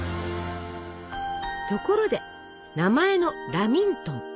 ところで名前の「ラミントン」。